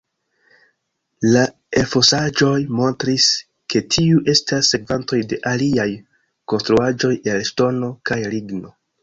La elfosaĵoj montris, ke tiuj estas sekvantoj de aliaj konstruaĵoj el ŝtono kaj ligno.